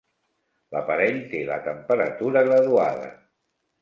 L'aparell té la temperatura graduada.